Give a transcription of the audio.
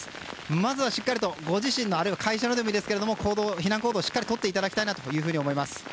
まずはご自身の家あるいは会社でもいいですが避難行動をとっていただきたいと思います。